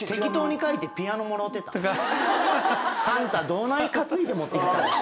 サンタどない担いで持ってきた？